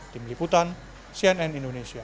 tim liputan cnn indonesia